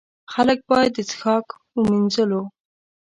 خلک باید د څښاک، مینځلو.